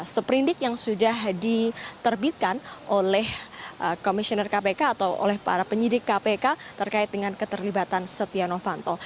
seprindik yang sudah diterbitkan oleh komisioner kpk atau oleh para penyidik kpk terkait dengan keterlibatan setia novanto